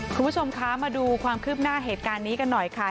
คุณผู้ชมคะมาดูความคืบหน้าเหตุการณ์นี้กันหน่อยค่ะ